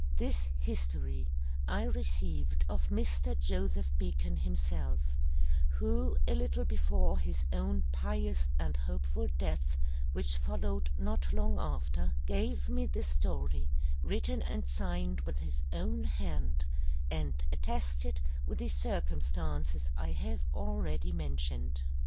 This History I received of Mr. Joseph Beacon himself; who a little before his own Pious and hopeful Death, which follow'd not long after, gave me the Story written and signed with his own Hand, and attested with the Circumstances I have already mentioned.